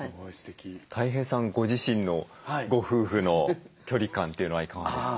たい平さんご自身のご夫婦の距離感というのはいかがですか？